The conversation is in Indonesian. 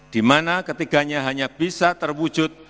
dimana ketiganya hanya bisa terwujud